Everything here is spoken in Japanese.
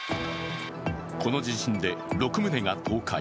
この地震で６棟が倒壊。